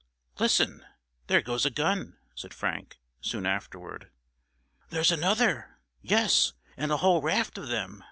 "Listen, there goes a gun!" said Frank, soon afterward. "There's another—yes, and a whole raft of them!"